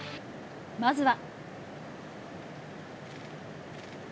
まずは。